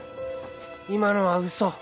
今のは嘘？